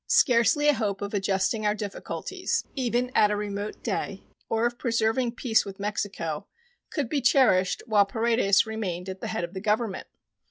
Scarcely a hope of adjusting our difficulties, even at a remote day, or of preserving peace with Mexico, could be cherished while Paredes remained at the head of the Government.